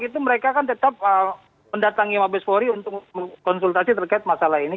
itu mereka kan tetap mendatangi mabes polri untuk konsultasi terkait masalah ini